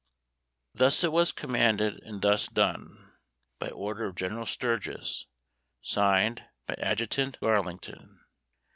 _ Thus it was Commanded and thus done, By order of General Sturgis, signed By Adjutant Garlington.